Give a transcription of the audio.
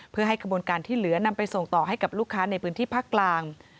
เพื่อให้กระบวนการที่เหลือนำไปส่งต่อให้กับลูกค้าในพื้นที่ภาคกลาง